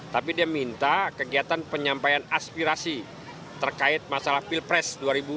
tapi dia minta kegiatan penyampaian aspirasi terkait masalah pilpres dua ribu dua puluh